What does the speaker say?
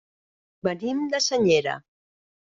Venim de Senyera.